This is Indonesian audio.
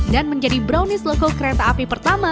dan menjadi bronis loko kereta api pertama